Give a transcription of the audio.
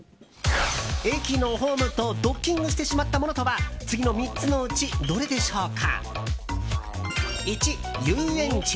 駅のホームとドッキングしてしまったものとは次の３つのうち、どれでしょうか。